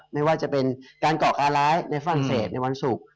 ไม่ว่าจะเป็นการก่อการร้ายในฝรั่งเศสในวันศุกร์